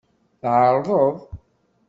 Teɛṛeḍ.